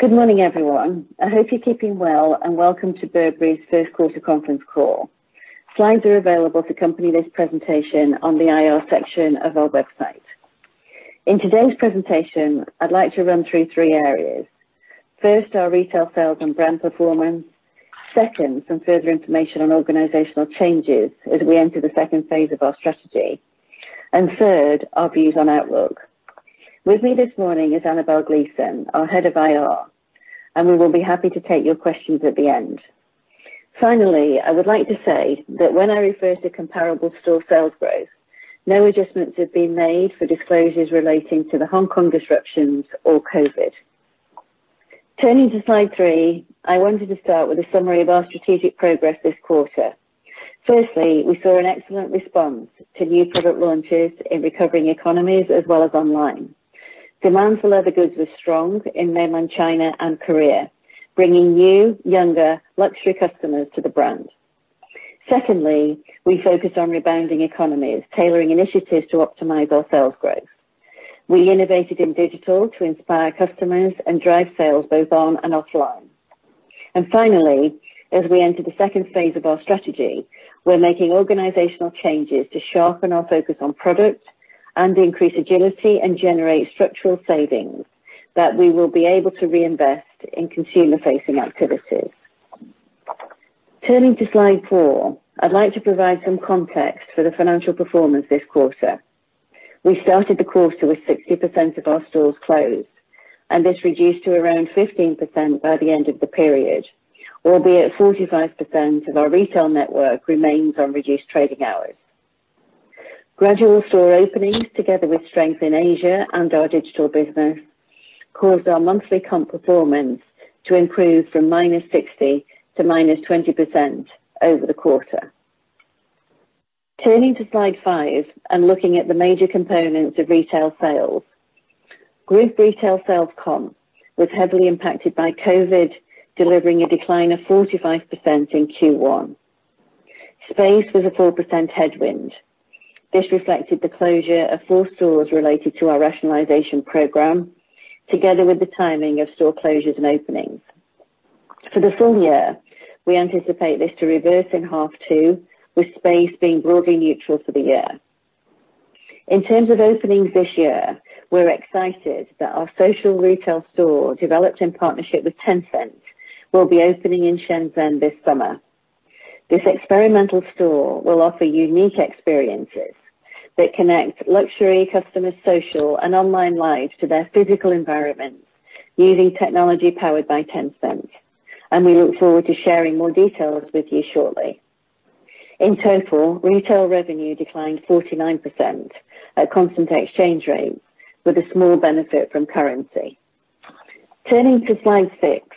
Good morning, everyone. I hope you're keeping well, and welcome to Burberry's first quarter conference call. Slides are available to accompany this presentation on the IR section of our website. In today's presentation, I'd like to run through three areas. First, our retail sales and brand performance. Second, some further information on organizational changes as we enter the second phase of our strategy. Third, our views on outlook. With me this morning is Annabel Gleeson, our head of IR. We will be happy to take your questions at the end. Finally, I would like to say that when I refer to comparable store sales growth, no adjustments have been made for disclosures relating to the Hong Kong disruptions or COVID. Turning to slide three, I wanted to start with a summary of our strategic progress this quarter. Firstly, we saw an excellent response to new product launches in recovering economies as well as online. Demand for leather goods was strong in Mainland China and Korea, bringing new, younger luxury customers to the brand. Secondly, we focused on rebounding economies, tailoring initiatives to optimize our sales growth. We innovated in digital to inspire customers and drive sales both on and offline. Finally, as we enter the second phase of our strategy, we're making organizational changes to sharpen our focus on product and increase agility and generate structural savings that we will be able to reinvest in consumer-facing activities. Turning to slide four, I'd like to provide some context for the financial performance this quarter. We started the quarter with 60% of our stores closed. This reduced to around 15% by the end of the period, albeit 45% of our retail network remains on reduced trading hours. Gradual store openings, together with strength in Asia and our digital business, caused our monthly comp performance to improve from -60% to -20% over the quarter. Turning to slide five and looking at the major components of retail sales. Group retail sales comp was heavily impacted by COVID, delivering a decline of 45% in Q1. Space was a 4% headwind. This reflected the closure of four stores related to our rationalization program, together with the timing of store closures and openings. For the full year, we anticipate this to reverse in half two, with space being broadly neutral for the year. In terms of openings this year, we're excited that our social retail store, developed in partnership with Tencent, will be opening in Shenzhen this summer. This experimental store will offer unique experiences that connect luxury customers' social and online lives to their physical environments using technology powered by Tencent, and we look forward to sharing more details with you shortly. In total, retail revenue declined 49% at constant exchange rates with a small benefit from currency. Turning to slide six.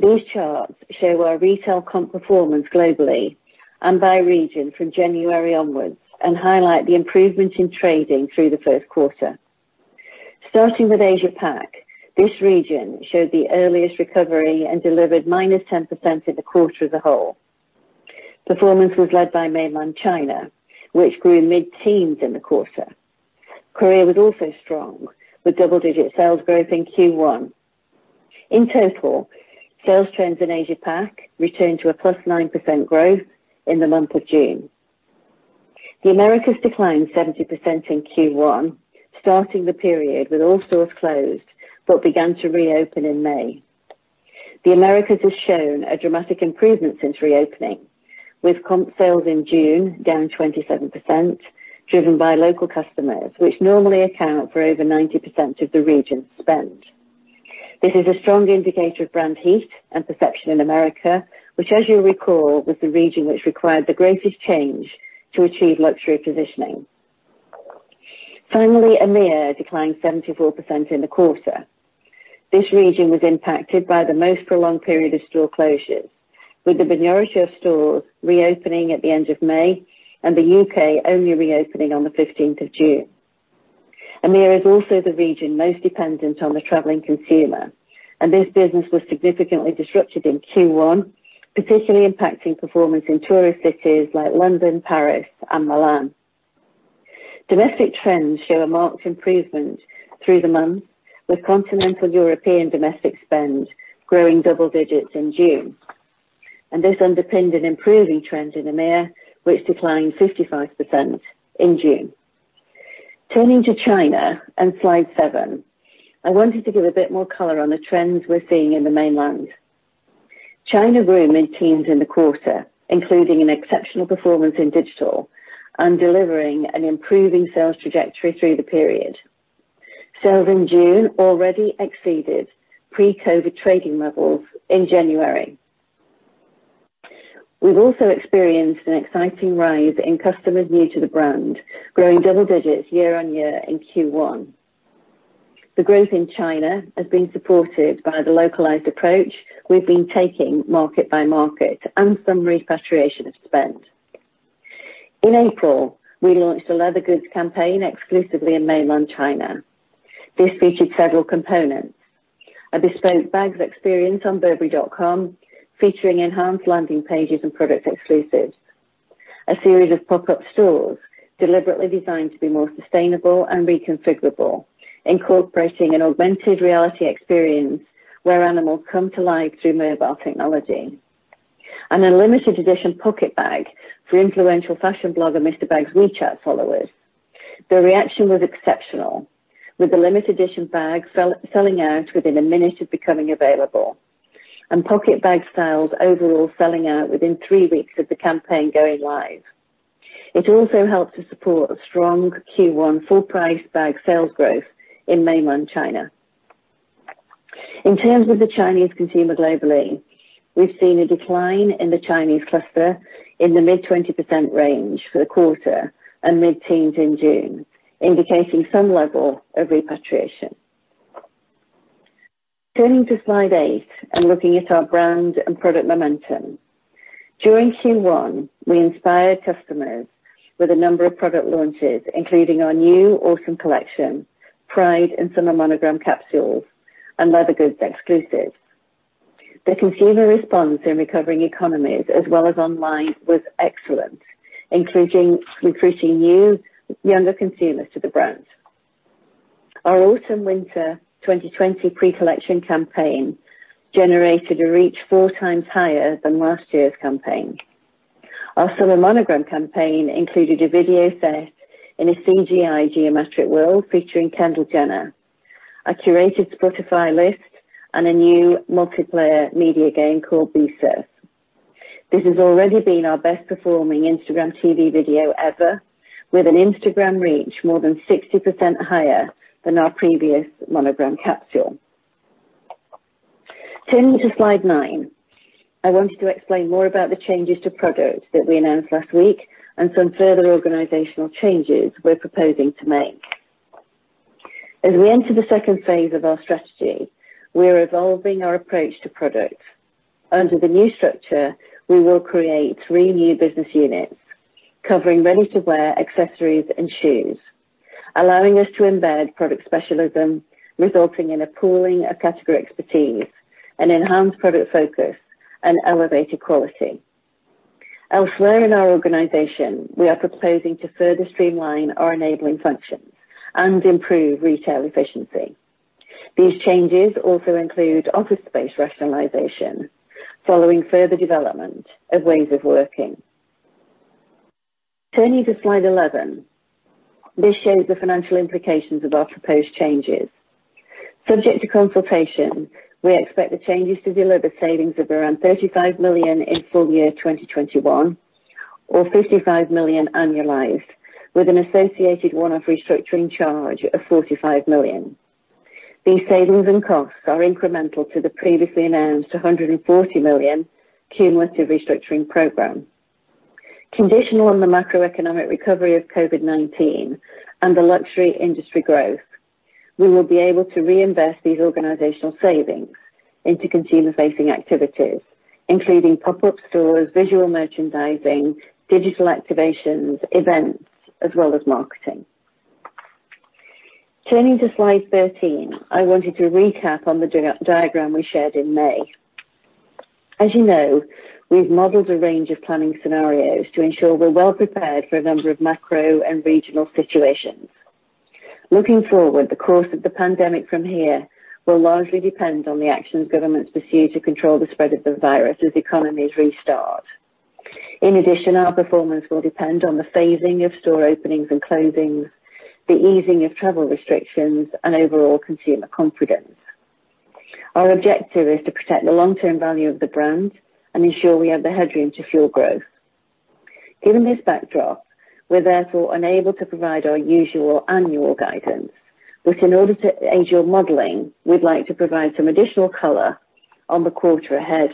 These charts show our retail comp performance globally and by region from January onwards and highlight the improvement in trading through the first quarter. Starting with Asia Pac, this region showed the earliest recovery and delivered -10% in the quarter as a whole. Performance was led by Mainland China, which grew mid-teens in the quarter. Korea was also strong, with double-digit sales growth in Q1. In total, sales trends in Asia Pac returned to a +9% growth in the month of June. The Americas declined 70% in Q1, starting the period with all stores closed, began to reopen in May. The Americas has shown a dramatic improvement since reopening, with comp sales in June down 27%, driven by local customers, which normally account for over 90% of the region's spend. This is a strong indicator of brand heat and perception in America, which as you'll recall, was the region which required the greatest change to achieve luxury positioning. Finally, EMEA declined 74% in the quarter. This region was impacted by the most prolonged period of store closures, with the majority of stores reopening at the end of May and the U.K. only reopening on the 15th of June. EMEA is also the region most dependent on the traveling consumer, and this business was significantly disrupted in Q1, particularly impacting performance in tourist cities like London, Paris and Milan. Domestic trends show a marked improvement through the month, with continental European domestic spend growing double digits in June. This underpinned an improving trend in EMEIA, which declined 55% in June. Turning to China and slide seven, I wanted to give a bit more color on the trends we're seeing in the mainland. China grew mid-teens in the quarter, including an exceptional performance in digital and delivering an improving sales trajectory through the period. Sales in June already exceeded pre-COVID trading levels in January. We've also experienced an exciting rise in customers new to the brand, growing double digits year-over-year in Q1. The growth in China has been supported by the localized approach we've been taking market by market and some repatriation of spend. In April, we launched a leather goods campaign exclusively in mainland China. This featured several components. A bespoke bags experience on burberry.com, featuring enhanced landing pages and product exclusives. A series of pop-up stores deliberately designed to be more sustainable and reconfigurable, incorporating an augmented reality experience where animals come to life through mobile technology, and a limited edition Pocket Bag for influential fashion blogger Mr. Bags' WeChat followers. The reaction was exceptional, with the limited edition bag selling out within a minute of becoming available, and Pocket Bag styles overall selling out within three weeks of the campaign going live. It also helped to support a strong Q1 full price bag sales growth in mainland China. In terms of the Chinese consumer globally, we've seen a decline in the Chinese cluster in the mid-20% range for the quarter and mid-teens in June, indicating some level of repatriation. Turning to Slide eight and looking at our brand and product momentum. During Q1, we inspired customers with a number of product launches, including our new autumn collection, Pride and Summer Monogram capsules, and leather goods exclusive. The consumer response in recovering economies as well as online was excellent, including recruiting new, younger consumers to the brand. Our autumn-winter 2020 pre-collection campaign generated a reach four times higher than last year's campaign. Our Summer Monogram campaign included a video set in a CGI geometric world featuring Kendall Jenner, a curated Spotify list, and a new multiplayer media game called B Surf. This has already been our best-performing Instagram TV video ever, with an Instagram reach more than 60% higher than our previous Monogram capsule. Turning to Slide nine. I wanted to explain more about the changes to products that we announced last week and some further organizational changes we're proposing to make. As we enter the second phase of our strategy, we are evolving our approach to products. Under the new structure, we will create three new business units covering ready-to-wear accessories and shoes, allowing us to embed product specialism, resulting in a pooling of category expertise and enhanced product focus and elevated quality. Elsewhere in our organization, we are proposing to further streamline our enabling functions and improve retail efficiency. These changes also include office space rationalization following further development of ways of working. Turning to Slide 11. This shows the financial implications of our proposed changes. Subject to consultation, we expect the changes to deliver savings of around 35 million in full year 2021 or 55 million annualized, with an associated one-off restructuring charge of 45 million. These savings and costs are incremental to the previously announced 140 million cumulative restructuring program. Conditional on the macroeconomic recovery of COVID-19 and the luxury industry growth, we will be able to reinvest these organizational savings into consumer-facing activities, including pop-up stores, visual merchandising, digital activations, events, as well as marketing. Turning to Slide 13. I wanted to recap on the diagram we shared in May. As you know, we've modeled a range of planning scenarios to ensure we're well-prepared for a number of macro and regional situations. Looking forward, the course of the pandemic from here will largely depend on the actions governments pursue to control the spread of the virus as economies restart. In addition, our performance will depend on the phasing of store openings and closings, the easing of travel restrictions, and overall consumer confidence. Our objective is to protect the long-term value of the brand and ensure we have the headroom to fuel growth. Given this backdrop, we're therefore unable to provide our usual annual guidance, which in order to aid your modeling, we'd like to provide some additional color on the quarter ahead.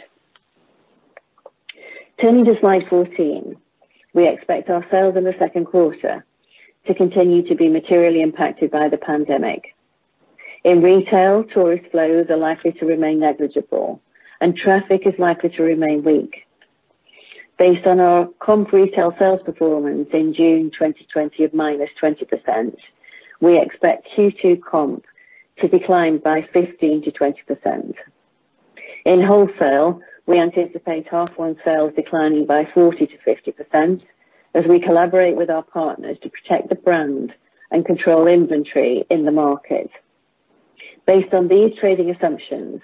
Turning to Slide 14. We expect our sales in the second quarter to continue to be materially impacted by the pandemic. In retail, tourist flows are likely to remain negligible, and traffic is likely to remain weak. Based on our comp retail sales performance in June 2020 of minus 20%, we expect Q2 comp to decline by 15%-20%. In wholesale, we anticipate half one sales declining by 40%-50% as we collaborate with our partners to protect the brand and control inventory in the market. Based on these trading assumptions,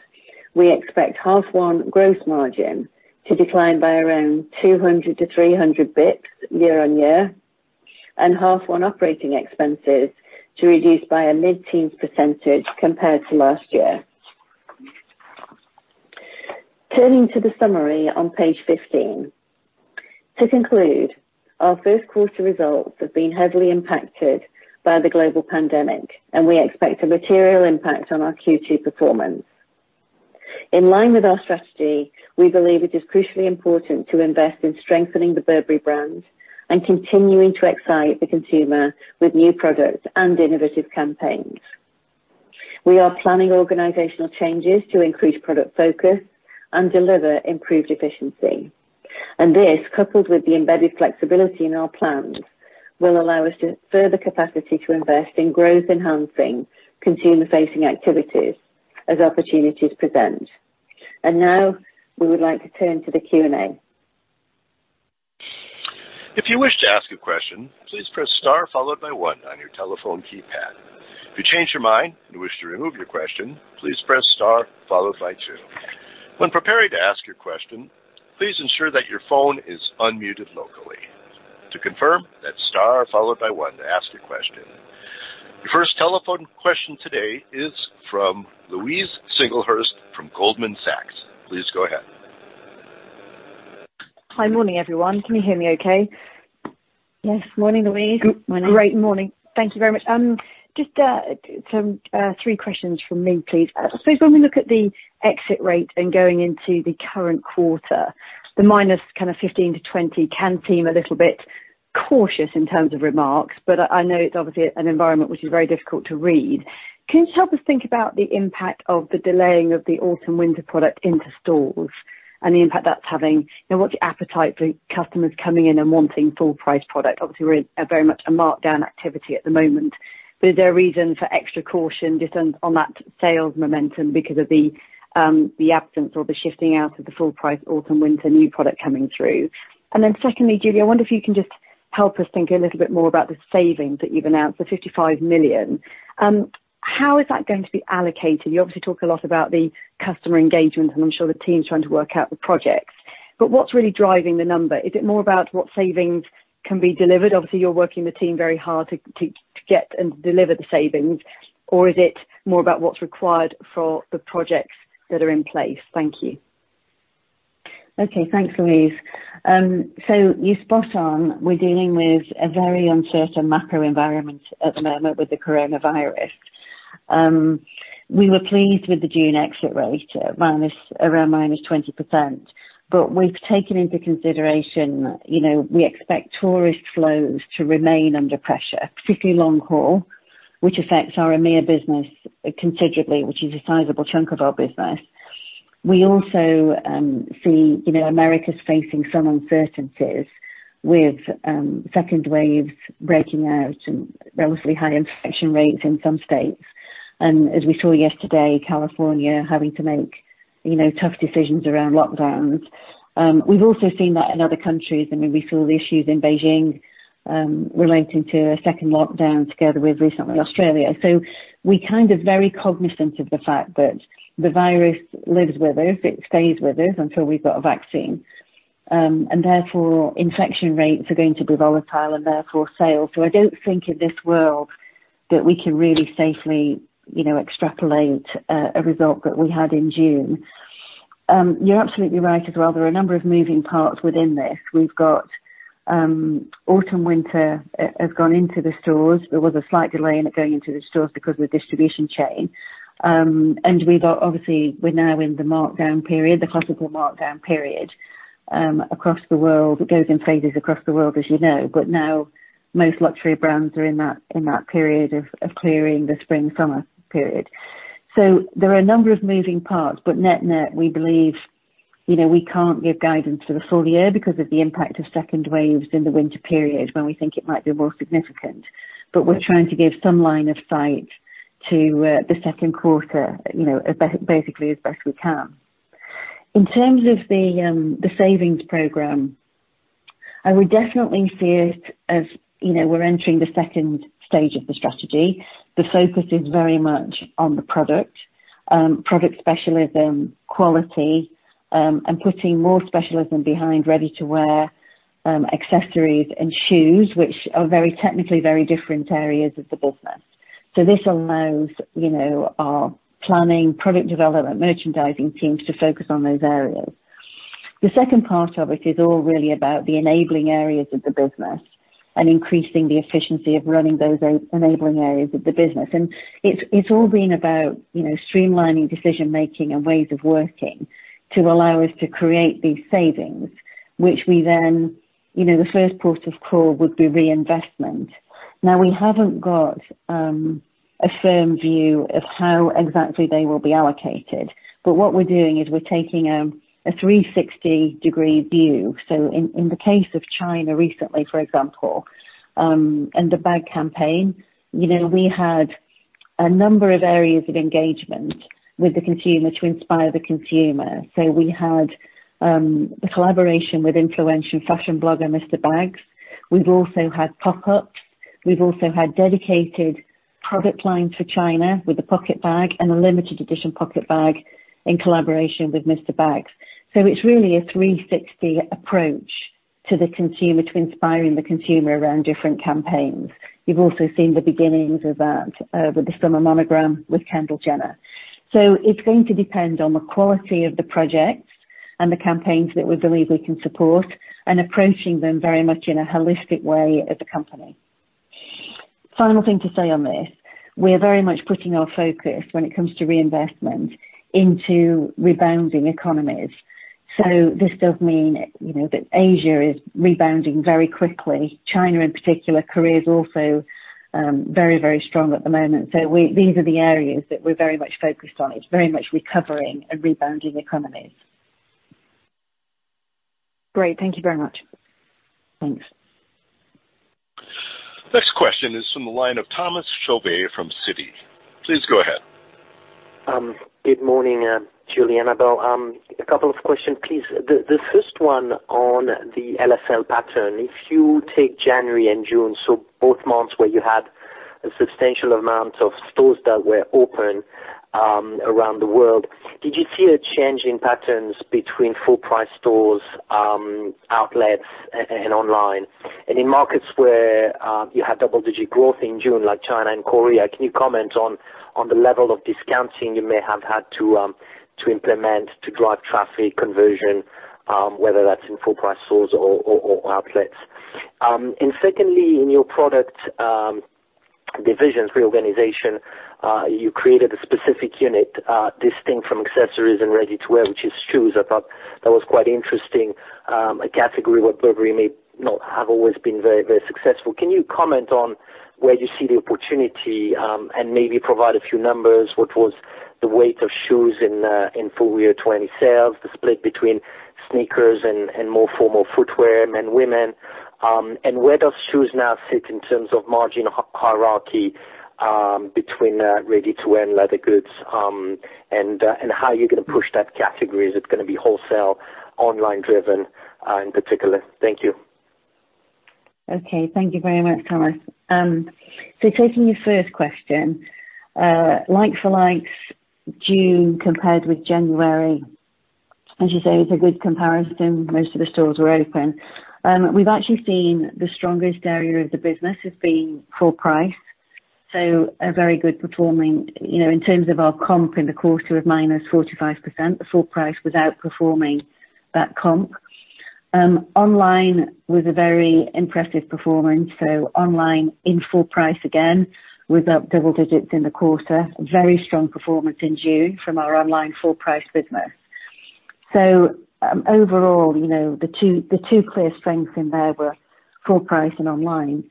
we expect half one gross margin to decline by around 200-300 bps year-on-year, and half one operating expenses to reduce by a mid-teens percentage compared to last year. Turning to the summary on page 15. To conclude, our first quarter results have been heavily impacted by the global pandemic, and we expect a material impact on our Q2 performance. In line with our strategy, we believe it is crucially important to invest in strengthening the Burberry brand and continuing to excite the consumer with new products and innovative campaigns. We are planning organizational changes to increase product focus and deliver improved efficiency. This, coupled with the embedded flexibility in our plans, will allow us further capacity to invest in growth-enhancing consumer-facing activities as opportunities present. Now we would like to turn to the Q&A. If you wish to ask a question, please press star followed by one on your telephone keypad. If you change your mind and wish to remove your question, please press star followed by two. When preparing to ask your question, please ensure that your phone is unmuted locally. To confirm, that's star followed by one to ask a question. Your first telephone question today is from Louise Singlehurst from Goldman Sachs. Please go ahead. Hi. Morning, everyone. Can you hear me okay? Yes. Morning, Louise. Great morning. Thank you very much. Just three questions from me, please. When we look at the exit rate and going into the current quarter, the -15% to -20% can seem a little bit cautious in terms of remarks, but I know it's obviously an environment which is very difficult to read. Can you help us think about the impact of the delaying of the autumn/winter product into stores and the impact that's having? What's the appetite for customers coming in and wanting full-priced product? Obviously, we're in a very much a markdown activity at the moment. Is there a reason for extra caution just on that sales momentum because of the absence or the shifting out of the full-priced autumn/winter new product coming through? Secondly, Julie, I wonder if you can just help us think a little bit more about the savings that you've announced, the 55 million. How is that going to be allocated? You obviously talk a lot about the customer engagement, and I'm sure the team's trying to work out the projects. What's really driving the number? Is it more about what savings can be delivered? Obviously, you're working the team very hard to get and deliver the savings. Is it more about what's required for the projects that are in place? Thank you. Okay. Thanks, Louise. You're spot on. We're dealing with a very uncertain macro environment at the moment with the coronavirus. We were pleased with the June exit rate around -20%. We've taken into consideration, we expect tourist flows to remain under pressure, particularly long haul, which affects our EMEIA business considerably, which is a sizable chunk of our business. We also see Americas facing some uncertainties with second waves breaking out and relatively high infection rates in some states. As we saw yesterday, California having to make tough decisions around lockdowns. We've also seen that in other countries. We saw the issues in Beijing relating to a second lockdown together with recently Australia. We kind of very cognizant of the fact that the virus lives with us. It stays with us until we've got a vaccine. Therefore, infection rates are going to be volatile and therefore, sales. I don't think in this world that we can really safely extrapolate a result that we had in June. You're absolutely right as well. There are a number of moving parts within this. We've got autumn/winter has gone into the stores. There was a slight delay in it going into the stores because of the distribution chain. We've obviously, we're now in the markdown period, the classical markdown period across the world. It goes in phases across the world, as you know. Now most luxury brands are in that period of clearing the spring/summer period. There are a number of moving parts, but net net we believe we can't give guidance for the full year because of the impact of second waves in the winter period when we think it might be more significant. We're trying to give some line of sight to the second quarter, basically as best we can. In terms of the savings program, I would definitely see it as we're entering the 2nd stage of the strategy. The focus is very much on the product. Product specialism, quality, and putting more specialism behind ready-to-wear accessories and shoes, which are very technically very different areas of the business. This allows our planning, product development, merchandising teams to focus on those areas. The second part of it is all really about the enabling areas of the business and increasing the efficiency of running those enabling areas of the business. It's all been about streamlining decision-making and ways of working to allow us to create these savings, which we then, the first port of call would be reinvestment. We haven't got a firm view of how exactly they will be allocated, but what we're doing is we're taking a 360-degree view. In the case of China recently, for example, and the bag campaign, we had a number of areas of engagement with the consumer to inspire the consumer. We had the collaboration with influential fashion blogger, Mr. Bags. We've also had pop-ups. We've also had dedicated product lines for China with a Pocket Bag and a limited edition Pocket Bag in collaboration with Mr. Bags. It's really a 360 approach to the consumer to inspiring the consumer around different campaigns. You've also seen the beginnings of that with the Summer Monogram with Kendall Jenner. It's going to depend on the quality of the projects and the campaigns that we believe we can support and approaching them very much in a holistic way as a company. Final thing to say on this, we are very much putting our focus when it comes to reinvestment into rebounding economies. This does mean that Asia is rebounding very quickly. China in particular. Korea is also very, very strong at the moment. These are the areas that we're very much focused on. It's very much recovering and rebounding economies. Great. Thank you very much. Thanks. Question is from the line of Thomas Chauvet from Citi. Please go ahead. Good morning, Julie and Annabel. A couple of questions, please. The first one on the LFL pattern. If you take January and June, so both months where you had a substantial amount of stores that were open around the world, did you see a change in patterns between full price stores, outlets, and online? In markets where you had double-digit growth in June like China and Korea, can you comment on the level of discounting you may have had to implement to drive traffic conversion, whether that's in full price stores or outlets? Secondly, in your product divisions reorganization, you created a specific unit, distinct from accessories and ready-to-wear, which is shoes. I thought that was quite interesting, a category where Burberry may not have always been very successful. Can you comment on where you see the opportunity, and maybe provide a few numbers? What was the weight of shoes in full year 2020 sales, the split between sneakers and more formal footwear, and men, women? Where does shoes now fit in terms of margin hierarchy between ready-to-wear and leather goods, and how you're going to push that category? Is it going to be wholesale, online driven, in particular? Thank you. Okay. Thank you very much, Thomas. Taking your first question, like for likes June compared with January, as you say, it's a good comparison. Most of the stores were open. We've actually seen the strongest area of the business has been full price. A very good performing, in terms of our comp in the quarter of -45%, the full price was outperforming that comp. Online was a very impressive performance. Online in full price, again, was up double digits in the quarter. Very strong performance in June from our online full price business. Overall, the two clear strengths in there were full price and online.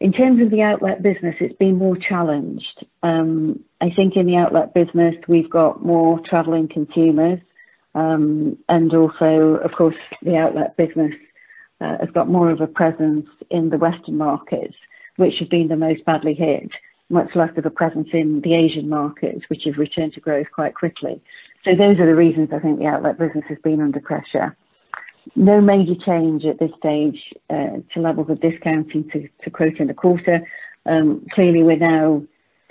In terms of the outlet business, it's been more challenged. I think in the outlet business we've got more traveling consumers. Also of course, the outlet business has got more of a presence in the Western markets, which have been the most badly hit, much less of a presence in the Asian markets, which have returned to growth quite quickly. Those are the reasons I think the outlet business has been under pressure. No major change at this stage to levels of discounting to quote in the quarter. Clearly we're now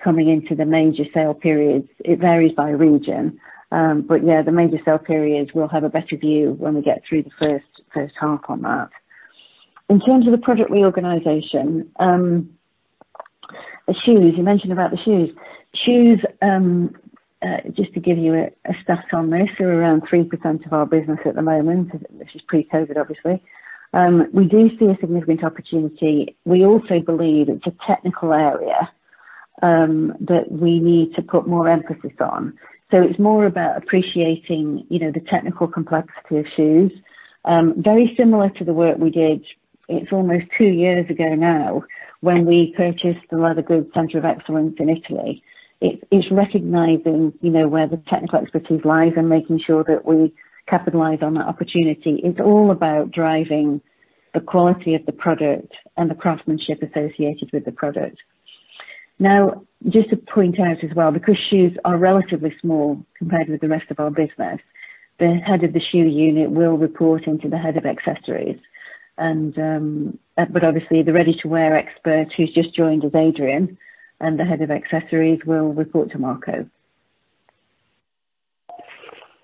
coming into the major sale periods. It varies by region. The major sale periods, we'll have a better view when we get through the first half on that. In terms of the product reorganization. You mentioned about the shoes. Shoes, just to give you a stat on this, are around 3% of our business at the moment, which is pre-COVID, obviously. We do see a significant opportunity. We also believe it's a technical area that we need to put more emphasis on. It's more about appreciating the technical complexity of shoes. Very similar to the work we did, it's almost two years ago now, when we purchased the Leather Goods Centre of Excellence in Italy. It's recognizing where the technical expertise lies and making sure that we capitalize on that opportunity. It's all about driving the quality of the product and the craftsmanship associated with the product. Just to point out as well, because shoes are relatively small compared with the rest of our business, the head of the shoe unit will report into the head of accessories. Obviously the ready-to-wear expert who's just joined is Adrian, and the head of accessories will report to Marco.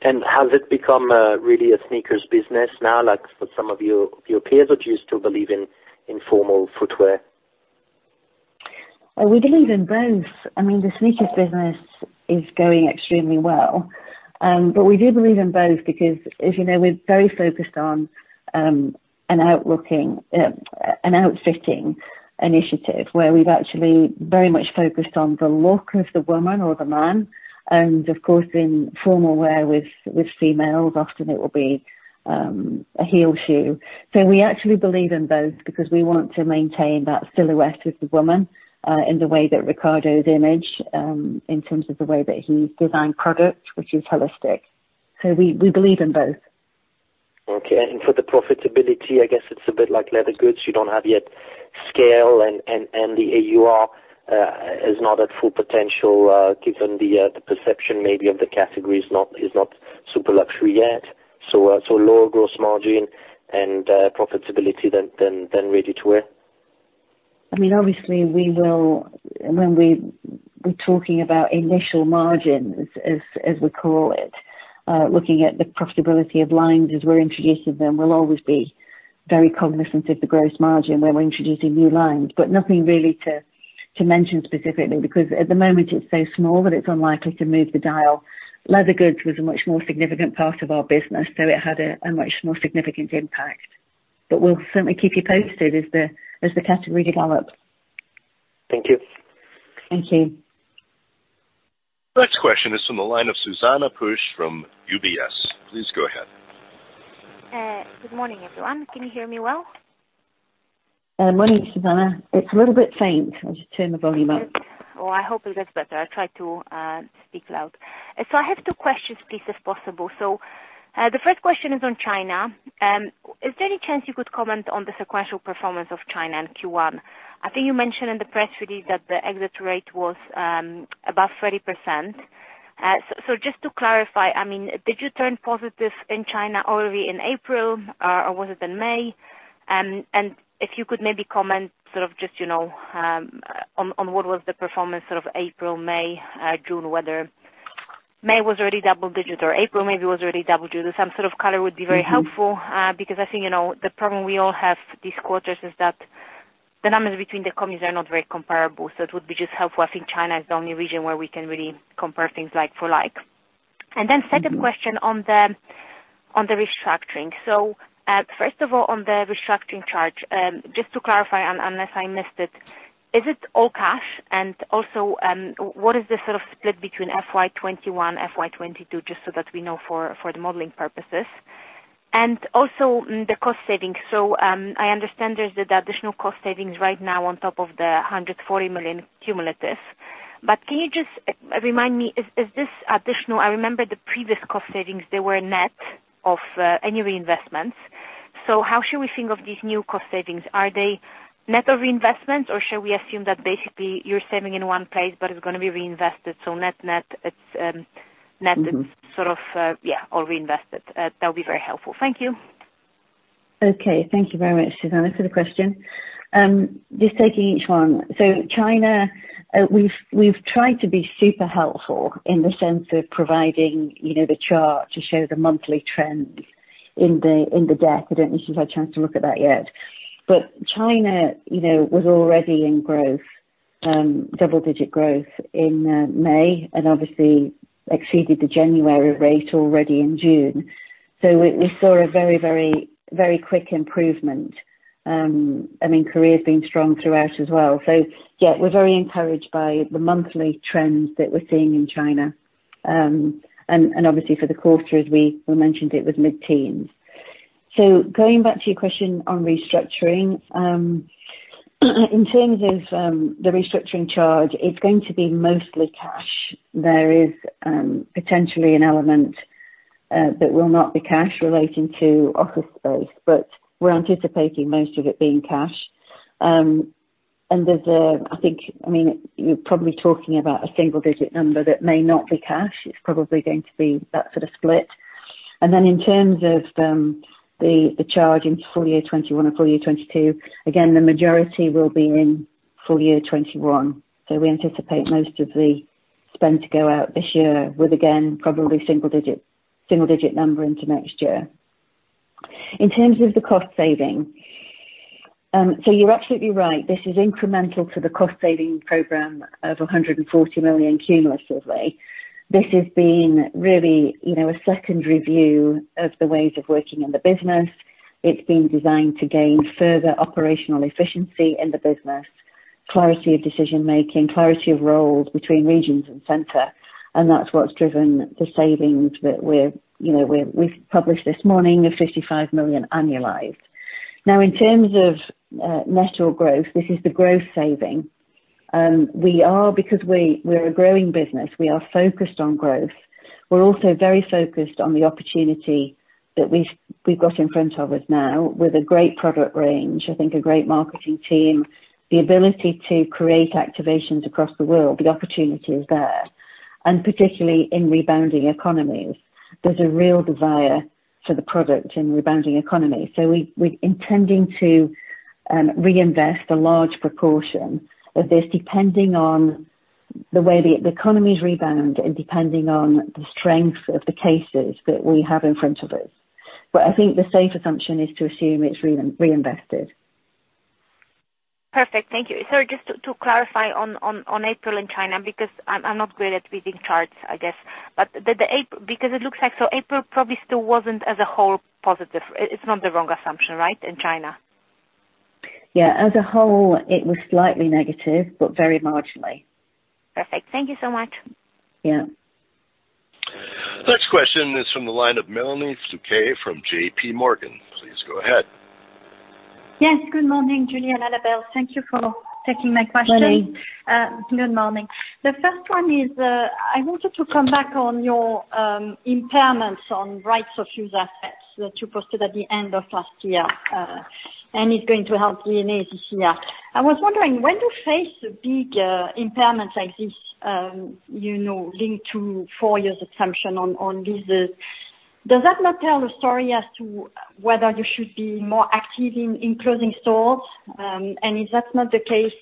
Has it become really a sneakers business now, like for some of your peers, or do you still believe in formal footwear? We believe in both. The sneakers business is going extremely well. We do believe in both because, as you know, we're very focused on an outfitting initiative where we've actually very much focused on the look of the woman or the man, and of course, in formal wear with females, often it will be a heel shoe. We actually believe in both because we want to maintain that silhouette with the woman in the way that Riccardo's image, in terms of the way that he's designed products, which is holistic. We believe in both. Okay. For the profitability, I guess it's a bit like leather goods. You don't have yet scale and the AUR is not at full potential, given the perception maybe of the category is not super luxury yet. Lower gross margin and profitability than ready-to-wear? Obviously we will, when we're talking about initial margins as we call it, looking at the profitability of lines as we're introducing them, we'll always be very cognizant of the gross margin when we're introducing new lines. Nothing really to mention specifically because at the moment it's so small that it's unlikely to move the dial. Leather goods was a much more significant part of our business, so it had a much more significant impact. We'll certainly keep you posted as the category develops. Thank you. Thank you. Next question is from the line of Zuzanna Pusz from UBS. Please go ahead. Good morning, everyone. Can you hear me well? Morning, Zuzanna. It's a little bit faint. I'll just turn the volume up. Well, I hope it gets better. I try to speak loud. I have two questions please, if possible. The first question is on China. Is there any chance you could comment on the sequential performance of China in Q1? I think you mentioned in the press release that the exit rate was above 30%. Just to clarify, did you turn positive in China already in April, or was it in May? If you could maybe comment sort of just on what was the performance of April, May, June, whether May was already double digits or April maybe was already double digits. Some sort of color would be very helpful because I think the problem we all have these quarters is that the numbers between the companies are not very comparable. It would be just helpful. I think China is the only region where we can really compare things like for like. Second question on the restructuring. First of all, on the restructuring charge, just to clarify, unless I missed it, is it all cash? Also, what is the sort of split between FY 2021, FY 2022, just so that we know for the modeling purposes. Also the cost savings. I understand there's the additional cost savings right now on top of the 140 million cumulative. Can you just remind me, is this additional? I remember the previous cost savings, they were net of any reinvestments. How should we think of these new cost savings? Are they net of reinvestments or should we assume that basically you're saving in one place but it's going to be reinvested, so net, it's. sort of, yeah, all reinvested. That would be very helpful. Thank you. Okay. Thank you very much, Zuzanna, for the question. Just taking each one. China, we've tried to be super helpful in the sense of providing the chart to show the monthly trends in the depth. I don't know if you've had a chance to look at that yet. China was already in double-digit growth in May and obviously exceeded the January rate already in June. We saw a very quick improvement. I mean, Korea's been strong throughout as well. Yeah, we're very encouraged by the monthly trends that we're seeing in China. Obviously for the quarter, as we mentioned, it was mid-teens. Going back to your question on restructuring in terms of the restructuring charge, it's going to be mostly cash. There is potentially an element that will not be cash relating to office space, but we're anticipating most of it being cash. There's a, I think, you're probably talking about a single-digit number that may not be cash. It's probably going to be that sort of split. In terms of the charge in full year 2021 and full year 2022, again, the majority will be in full year 2021. We anticipate most of the spend to go out this year with, again, probably single-digit number into next year. In terms of the cost saving, you're absolutely right. This is incremental to the cost-saving program of 140 million cumulatively. This has been really a second review of the ways of working in the business. It's been designed to gain further operational efficiency in the business, clarity of decision-making, clarity of roles between regions and center, and that's what's driven the savings that we've published this morning of 55 million annualized. Now, in terms of net or gross, this is the gross saving. We're a growing business, we are focused on growth. We're also very focused on the opportunity that we've got in front of us now with a great product range, I think a great marketing team, the ability to create activations across the world, the opportunity is there, and particularly in rebounding economies. There's a real desire for the product in rebounding economies. We're intending to reinvest a large proportion of this, depending on the way the economies rebound and depending on the strength of the cases that we have in front of us. I think the safe assumption is to assume it's reinvested. Perfect. Thank you. Sorry, just to clarify on April in China, because I'm not great at reading charts, I guess. Because it looks like April probably still wasn't as a whole positive. It's not the wrong assumption, right, in China? Yeah. As a whole, it was slightly negative, but very marginally. Perfect. Thank you so much. Yeah. Next question is from the line of Melanie Flouquet from J.P. Morgan. Please go ahead. Yes. Good morning, Julie and Annabel. Thank you for taking my question. Melanie. Good morning. The first one is, I wanted to come back on your impairments on right-of-use assets that you posted at the end of last year, and it's going to help D&A this year. I was wondering, when you face a big impairment like this linked to four years assumption on leases, does that not tell a story as to whether you should be more active in closing stores? If that's not the case,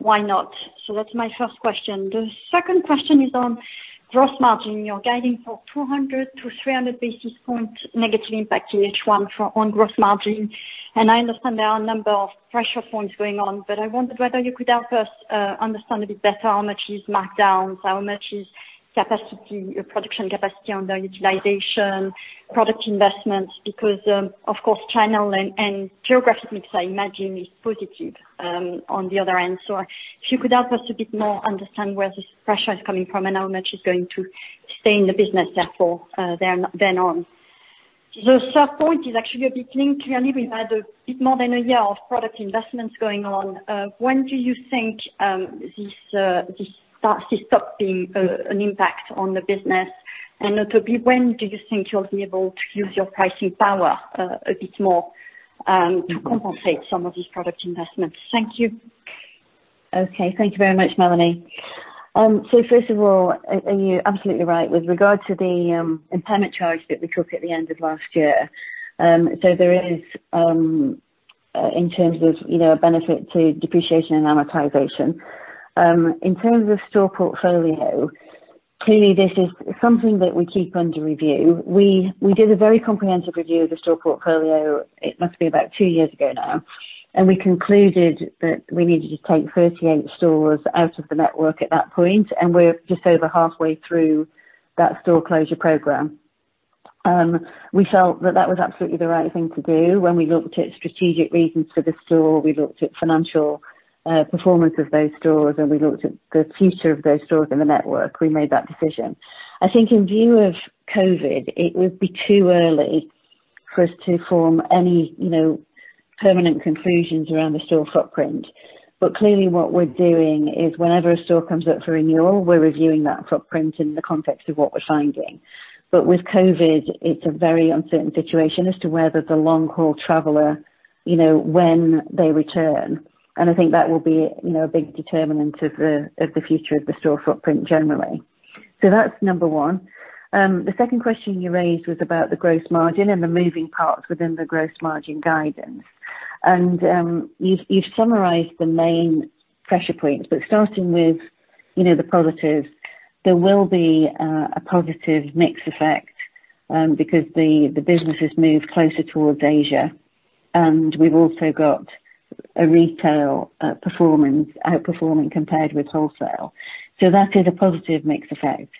why not? That's my first question. The second question is on gross margin. You're guiding for 200 basis point-300 basis point negative impact year one on gross margin. I understand there are a number of pressure points going on, but I wondered whether you could help us understand a bit better how much is markdowns, how much is production capacity underutilization, product investments, because of course, China and geographic mix I imagine is positive on the other end. If you could help us a bit more understand where this pressure is coming from and how much is going to stay in the business therefore then on. The third point is actually a bit linked. Clearly, we've had a bit more than a year of product investments going on. When do you think this stops being an impact on the business? And notably, when do you think you'll be able to use your pricing power a bit more to compensate some of these product investments? Thank you. Okay. Thank you very much, Melanie. First of all, you're absolutely right with regard to the impairment charge that we took at the end of last year. There is, in terms of a benefit to depreciation and amortization. In terms of store portfolio, clearly, this is something that we keep under review. We did a very comprehensive review of the store portfolio, it must be about two years ago now, and we concluded that we needed to take 38 stores out of the network at that point, and we're just over halfway through that store closure program. We felt that that was absolutely the right thing to do when we looked at strategic reasons for the store. We looked at financial performance of those stores, and we looked at the future of those stores in the network. We made that decision. I think in view of COVID, it would be too early for us to form any permanent conclusions around the store footprint. Clearly what we're doing is whenever a store comes up for renewal, we're reviewing that footprint in the context of what we're finding. With COVID, it's a very uncertain situation as to whether the long-haul traveler, when they return, and I think that will be a big determinant of the future of the store footprint generally. That's number one. The second question you raised was about the gross margin and the moving parts within the gross margin guidance. You've summarized the main pressure points, but starting with the positives, there will be a positive mix effect because the business has moved closer towards Asia. We've also got a retail outperforming compared with wholesale. That is a positive mix effect.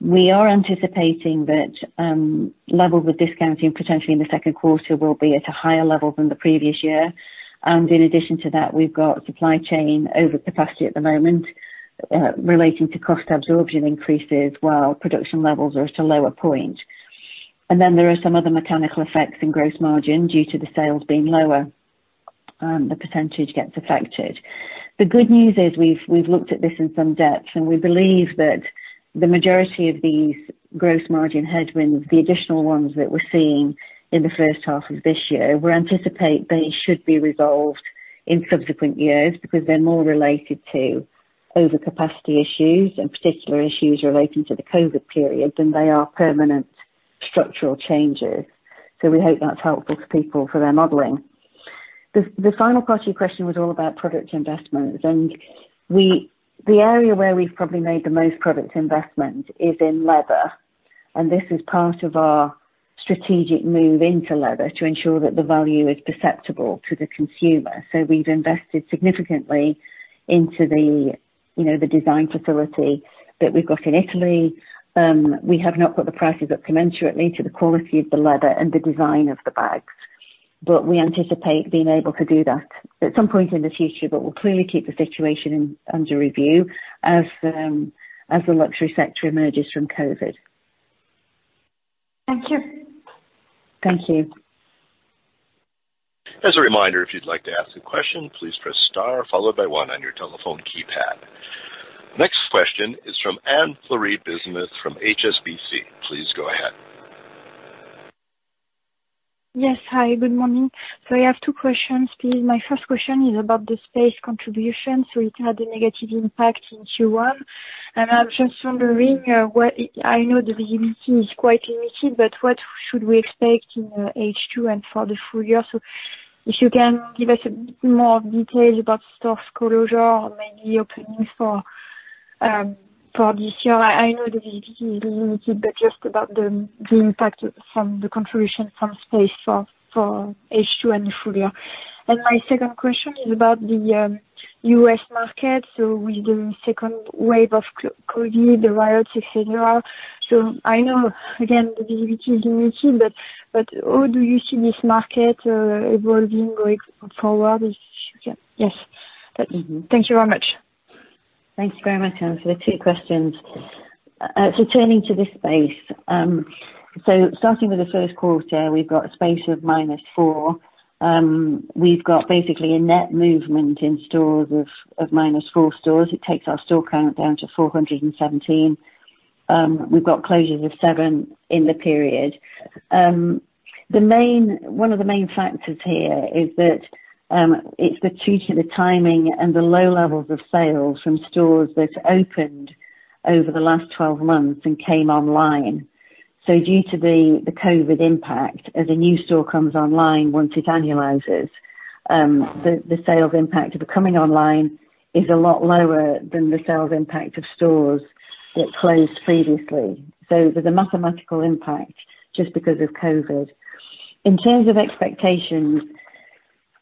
We are anticipating that levels with discounting potentially in the second quarter will be at a higher level than the previous year. In addition to that, we've got supply chain overcapacity at the moment relating to cost absorption increases while production levels are at a lower point. Then there are some other mechanical effects in gross margin due to the sales being lower, the percentage gets affected. The good news is we've looked at this in some depth, and we believe that the majority of these gross margin headwinds, the additional ones that we're seeing in the first half of this year, we anticipate they should be resolved in subsequent years because they're more related to overcapacity issues and particular issues relating to the COVID period than they are permanent structural changes. We hope that's helpful to people for their modeling. The final part of your question was all about product investments. The area where we've probably made the most product investment is in leather, and this is part of our strategic move into leather to ensure that the value is perceptible to the consumer. We've invested significantly into the design facility that we've got in Italy. We have not got the prices up commensurately to the quality of the leather and the design of the bags, but we anticipate being able to do that at some point in the future. We'll clearly keep the situation under review as the luxury sector emerges from COVID. Thank you. Thank you. As a reminder, if you'd like to ask a question, please press star followed by one on your telephone keypad. Next question is from Erwan Rambourg from HSBC. Please go ahead. Yes. Hi, good morning. I have two questions, please. My first question is about the space contribution. It had a negative impact in Q1. I'm just wondering what I know the visibility is quite limited, but what should we expect in H2 and for the full year? If you can give us a bit more details about stores closure or maybe openings for this year. I know the visibility is limited, but just about the impact from the contribution from space for H2 and full year. My second question is about the U.S. market with the second wave of COVID, the riots, et cetera. I know, again, the visibility is limited, but how do you see this market evolving going forward, if you can. Yes. Thank you very much. Thanks very much, Erwan, for the two questions. Turning to the space. Starting with the first quarter, we've got a space of -4. We've got basically a net movement in stores of minus four stores. It takes our store count down to 417. We've got closures of seven in the period. One of the main factors here is that it's due to the timing and the low levels of sales from stores that opened over the last 12 months and came online. Due to the COVID impact, as a new store comes online, once it annualizes, the sales impact of it coming online is a lot lower than the sales impact of stores that closed previously. There's a mathematical impact just because of COVID. In terms of expectations,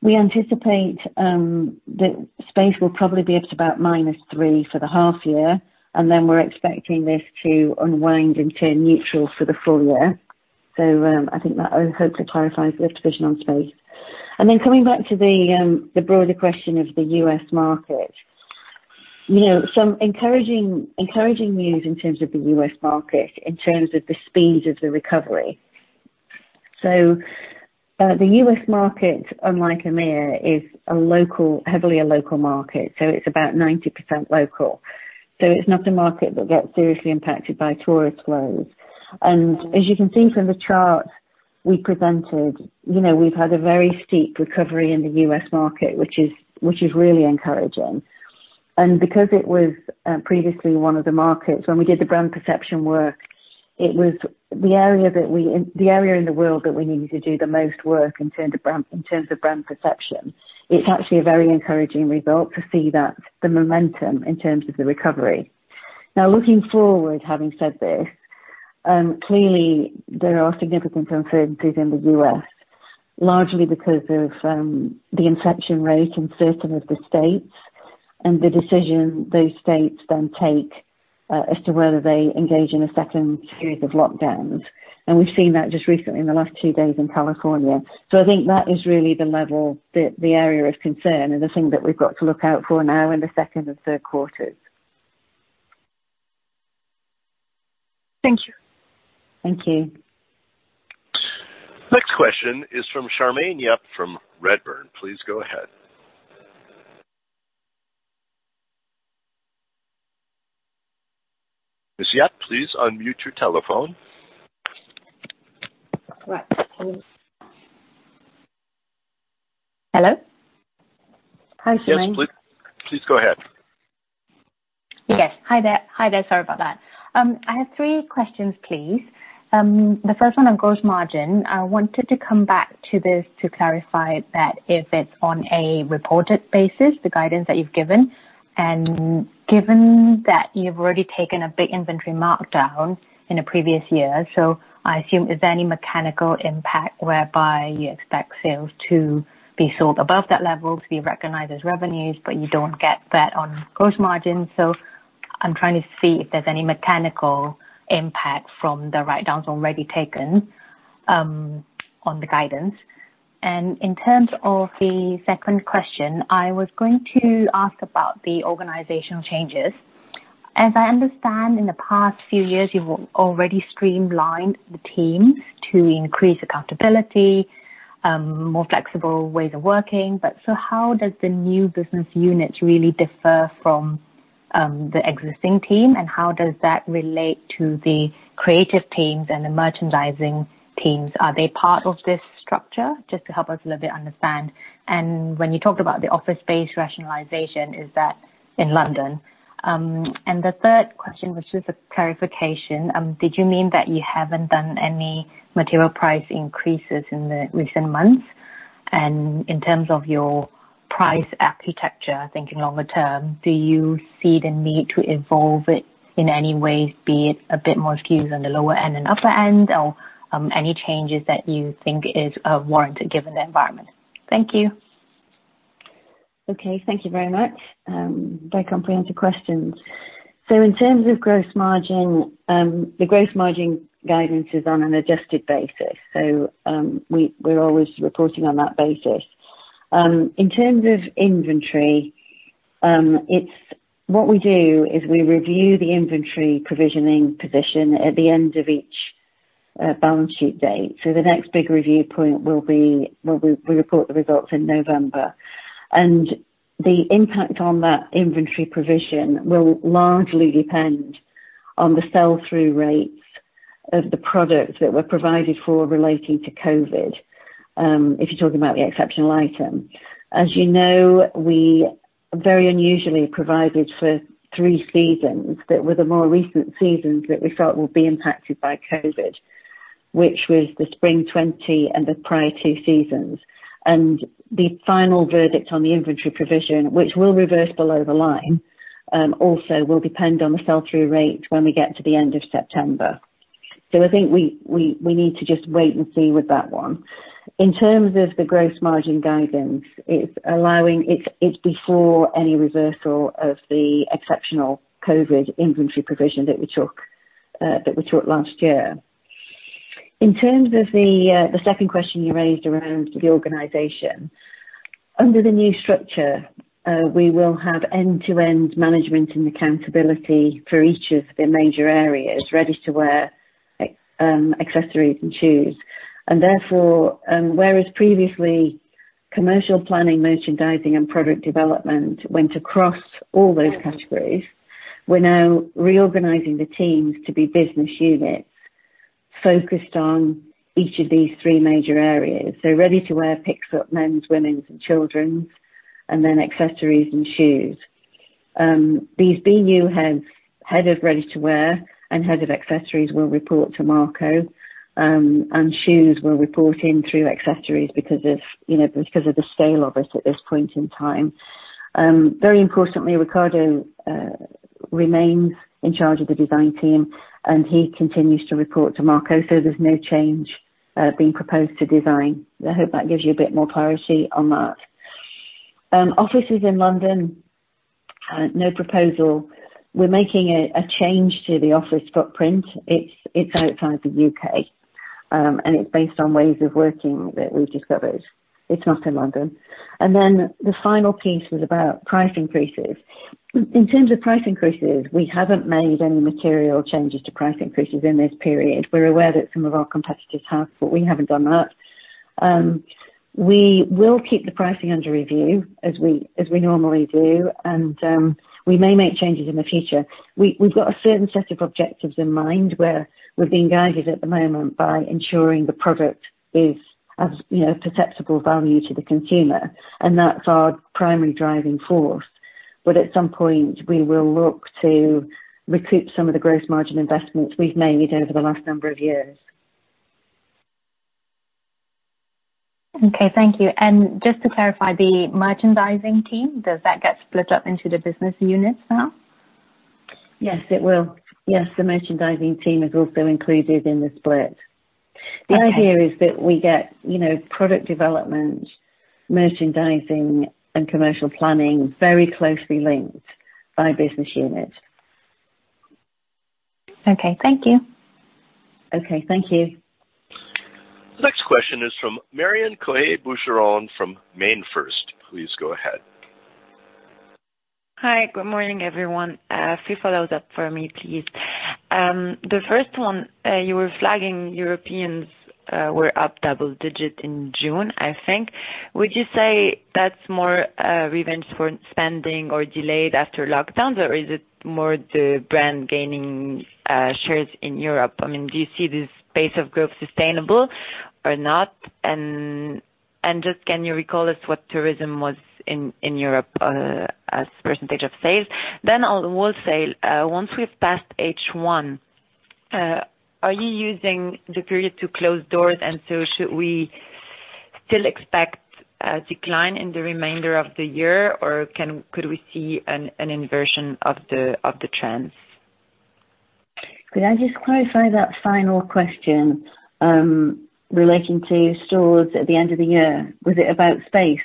we anticipate that space will probably be up to about -3 for the half year, then we're expecting this to unwind and turn neutral for the full year. I think that hopefully clarifies the division on space. Coming back to the broader question of the U.S. market. Some encouraging news in terms of the U.S. market, in terms of the speed of the recovery. The U.S. market, unlike EMEIA, is heavily a local market. It's about 90% local. It's not a market that gets seriously impacted by tourist flows. As you can see from the chart we presented, we've had a very steep recovery in the U.S. market, which is really encouraging. Because it was previously one of the markets, when we did the brand perception work, it was the area in the world that we needed to do the most work in terms of brand perception. It's actually a very encouraging result to see that the momentum in terms of the recovery. Looking forward, having said this, clearly there are significant uncertainties in the U.S., largely because of the infection rate in certain of the states and the decision those states then take as to whether they engage in a second period of lockdowns. We've seen that just recently in the last two days in California. I think that is really the level, the area of concern and the thing that we've got to look out for now in the second and third quarters. Thank you. Thank you. Next question is from Charmaine Yap from Redburn. Please go ahead. Ms. Yap, please unmute your telephone. Right. Hello? Hi, Charmaine. Yes, please go ahead. Yes. Hi there. Sorry about that. I have three questions, please. The first one on gross margin. I wanted to come back to this to clarify that if it's on a reported basis, the guidance that you've given, and given that you've already taken a big inventory markdown in a previous year, so I assume if any mechanical impact whereby you expect sales to be sold above that level to be recognized as revenues, but you don't get that on gross margin. I'm trying to see if there's any mechanical impact from the write-downs already taken on the guidance. In terms of the second question, I was going to ask about the organizational changes. As I understand, in the past few years, you've already streamlined the teams to increase accountability, more flexible ways of working. How does the new business unit really differ from the existing team, and how does that relate to the creative teams and the merchandising teams? Are they part of this structure, just to help us a little bit understand? When you talked about the office space rationalization, is that in London? The third question, which is a clarification, did you mean that you haven't done any material price increases in the recent months? In terms of your price architecture, thinking longer term, do you see the need to evolve it in any way, be it a bit more skewed on the lower end and upper end, or any changes that you think is warranted given the environment? Thank you. Thank you very much. Very comprehensive questions. In terms of gross margin, the gross margin guidance is on an adjusted basis. We're always reporting on that basis. In terms of inventory, what we do is we review the inventory provisioning position at the end of each balance sheet date. The next big review point will be, we report the results in November. The impact on that inventory provision will largely depend on the sell-through rates of the products that were provided for relating to COVID, if you're talking about the exceptional item. As you know, we very unusually provided for three seasons that were the more recent seasons that we felt would be impacted by COVID, which was the spring 2020 and the prior two seasons. The final verdict on the inventory provision, which will reverse below the line, also will depend on the sell-through rate when we get to the end of September. I think we need to just wait and see with that one. In terms of the gross margin guidance, it's before any reversal of the exceptional COVID inventory provision that we took last year. In terms of the second question you raised around the organization. Under the new structure, we will have end-to-end management and accountability for each of the major areas, Ready-to-Wear, accessories, and shoes. Therefore, whereas previously, commercial planning, merchandising, and product development went across all those categories, we're now reorganizing the teams to be business units focused on each of these three major areas. Ready-to-Wear picks up men's, women's, and children's, and then accessories and shoes. These BU heads, Head of Ready-to-Wear and Head of Accessories will report to Marco, and shoes will report in through accessories because of the scale of it at this point in time. Very importantly, Riccardo remains in charge of the design team. He continues to report to Marco. There's no change being proposed to design. I hope that gives you a bit more clarity on that. Offices in London, no proposal. We're making a change to the office footprint. It's outside the U.K. It's based on ways of working that we've discovered. It's not in London. The final piece was about price increases. In terms of price increases, we haven't made any material changes to price increases in this period. We're aware that some of our competitors have, but we haven't done that. We will keep the pricing under review as we normally do. We may make changes in the future. We've got a certain set of objectives in mind where we're being guided at the moment by ensuring the product is of perceptible value to the consumer, and that's our primary driving force. At some point, we will look to recoup some of the gross margin investments we've made over the last number of years. Okay, thank you. Just to clarify, the merchandising team, does that get split up into the business units now? Yes, it will. Yes, the merchandising team is also included in the split. Okay. The idea is that we get product development, merchandising, and commercial planning very closely linked by business unit. Okay, thank you. Okay, thank you. The next question is from Marion Cohet-Boucheron from MainFirst. Please go ahead. Hi, good morning, everyone. A few follow-ups for me, please. The first one, you were flagging Europeans were up double-digit in June, I think. Would you say that's more revenge spending or delayed after lockdowns, or is it more the brand gaining shares in Europe? Do you see this pace of growth sustainable or not? Just can you recall us what tourism was in Europe as % of sales? On wholesale, once we've passed H1, are you using the period to close doors and so should we still expect a decline in the remainder of the year, or could we see an inversion of the trends? Could I just clarify that final question relating to stores at the end of the year? Was it about space?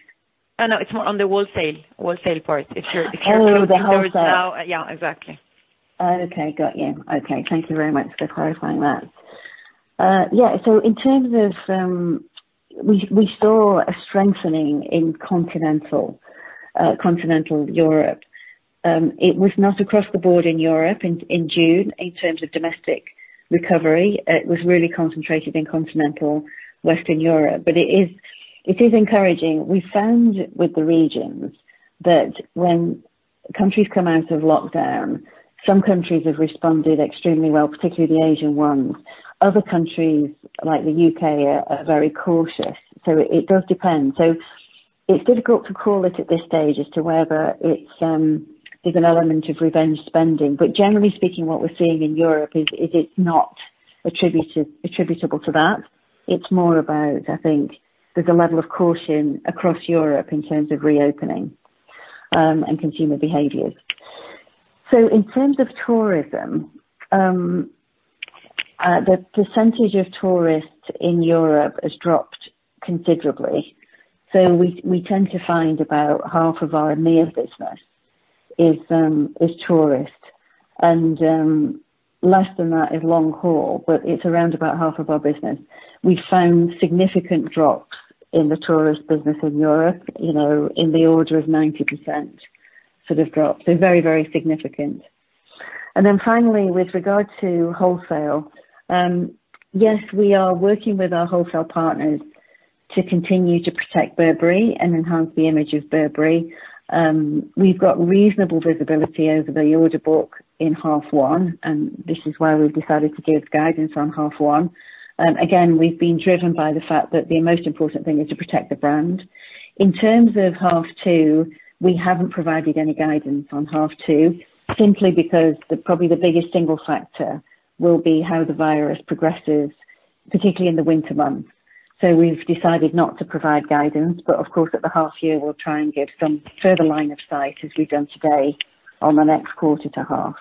No, it's more on the wholesale part. Oh, the wholesale. the doors now. Yeah, exactly. Okay, got you. Okay. Thank you very much for clarifying that. In terms of, we saw a strengthening in continental Europe. It was not across the board in Europe in June in terms of domestic recovery. It was really concentrated in continental Western Europe. It is encouraging. We found with the regions that when countries come out of lockdown, some countries have responded extremely well, particularly the Asian ones. Other countries, like the U.K., are very cautious. It does depend. It's difficult to call it at this stage as to whether it's an element of revenge spending. Generally speaking, what we're seeing in Europe is it's not attributable to that. It's more about, I think there's a level of caution across Europe in terms of reopening and consumer behaviors. In terms of tourism, the percentage of tourists in Europe has dropped considerably. We tend to find about half of our EMEA business is tourist, and less than that is long haul, but it's around about half of our business. We found significant drops in the tourist business in Europe, in the order of 90% sort of drop. Very, very significant. Then finally, with regard to wholesale, yes, we are working with our wholesale partners to continue to protect Burberry and enhance the image of Burberry. We've got reasonable visibility over the order book in half one, and this is why we've decided to give guidance on half one. Again, we've been driven by the fact that the most important thing is to protect the brand. In terms of half two, we haven't provided any guidance on half two, simply because probably the biggest single factor will be how the virus progresses, particularly in the winter months. We've decided not to provide guidance, but of course, at the half year, we'll try and give some further line of sight as we've done today on the next quarter to half.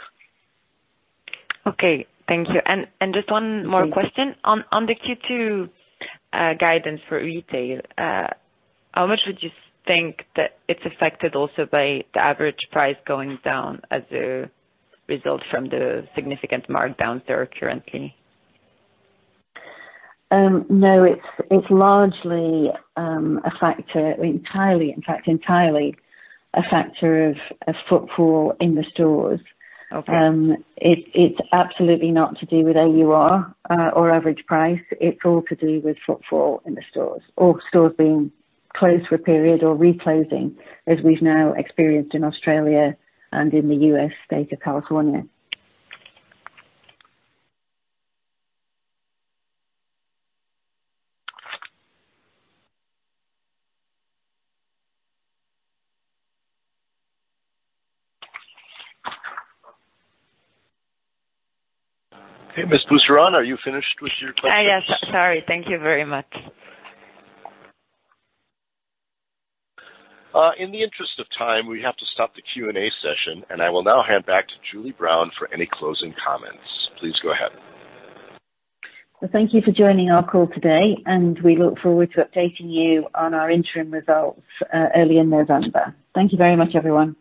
Okay, thank you. Just one more question. Please. On the Q2 guidance for retail, how much would you think that it's affected also by the average price going down as a result from the significant markdowns there currently? No, it's largely a factor, entirely in fact, entirely a factor of footfall in the stores. Okay. It's absolutely not to do with AUR or average price. It's all to do with footfall in the stores, or stores being closed for a period or reclosing, as we've now experienced in Australia and in the U.S. state of California. Okay. Ms. Boucheron, are you finished with your questions? Yes. Sorry. Thank you very much. In the interest of time, we have to stop the Q&A session. I will now hand back to Julie Brown for any closing comments. Please go ahead. Thank you for joining our call today, and we look forward to updating you on our interim results early in November. Thank you very much, everyone.